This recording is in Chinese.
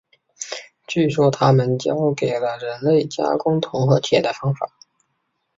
据说他们教给了人类加工铜和铁的方法。